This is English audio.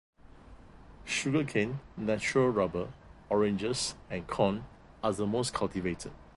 Sugarcane, natural rubber, oranges and corn are the most cultivated.